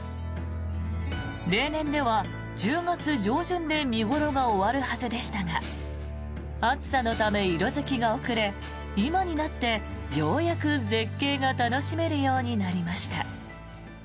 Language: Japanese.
例年では１０月上旬で見頃が終わるはずでしたが暑さのため色付きが遅れ今になってようやく絶景が楽しめるようになりました。